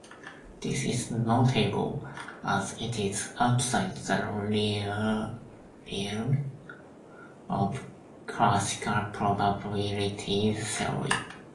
This is notable as it is outside the realm of classical probability theory.